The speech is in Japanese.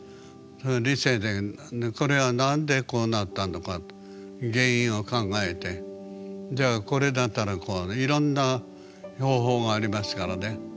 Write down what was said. その理性でこれは何でこうなったのか原因を考えてじゃあこれだったらこういろんな方法がありますからね。